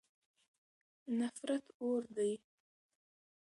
نفرت اور دی.